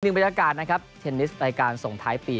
อีกหนึ่งประจากการเทนนิสรายการส่งท้ายปี